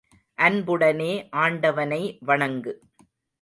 அன்புடனே ஆண்டவனை வணங்கு.